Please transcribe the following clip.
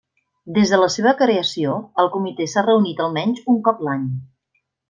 Des de la seva creació, el comitè s'ha reunit almenys un cop l'any.